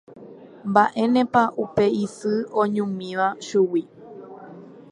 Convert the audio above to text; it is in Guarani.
Mba'énepa upe isy oñomíva chugui